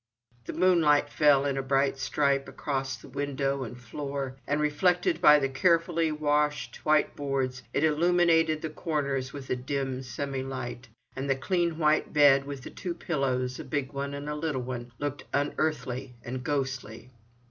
The moonlight fell in a bright stripe across the window and floor, and reflected by the carefully washed white boards it illumined the corners with a dim semi light, and the clean white bed with its two pillows, a big one and a little one, looked unearthly and ghostly.